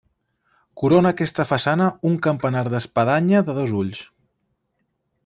Corona aquesta façana un campanar d'espadanya de dos ulls.